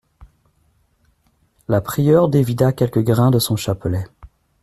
La prieure dévida quelques grains de son chapelet.